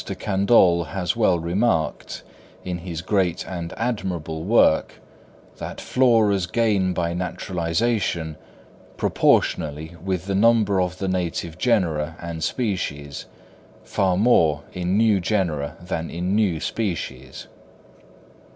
de Candolle has well remarked, in his great and admirable work, that floras gain by naturalisation, proportionally with the number of the native genera and species, far more in new genera than in new species.